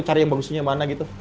cari yang bagusnya mana gitu